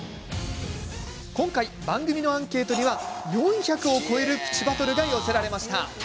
今回、番組のアンケートには４００を超えるプチバトルが寄せられました。